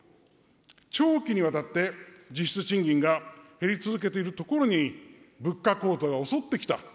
長期にわたって実質賃金が減り続けているところに、物価高騰が襲ってきた。